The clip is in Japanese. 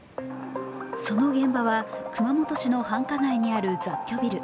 その現場は熊本市の繁華街にある雑居ビル。